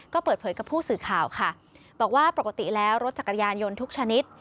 ก็เปิดเผยกับผู้สื่อข่าวค่ะบอกว่าปกติแล้วรถจักรยานยนต์ทุกชนิด